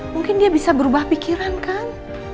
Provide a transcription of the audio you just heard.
mungkin dia bisa berubah pikiran kan